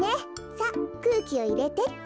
さっくうきをいれてっと。